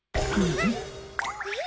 えっ！？